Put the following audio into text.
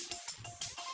di is lapar